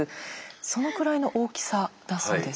そのくらいの大きさだそうです。